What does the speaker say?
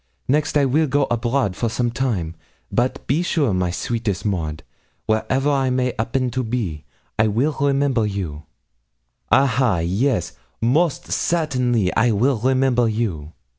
next I will go abroad for some time; but be sure, my sweetest Maud, wherever I may 'appen to be, I will remember you ah, ha! Yes; most certainly, I will remember you.